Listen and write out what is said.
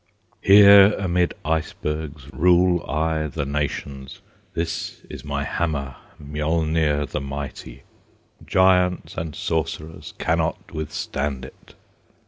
Here amid icebergs Rule I the nations; This is my hammer, Miˆlner the mighty; Giants and sorcerers Cannot withstand it!